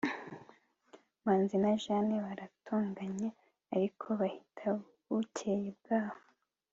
manzi na jane baratonganye, ariko bahita bukeye bwaho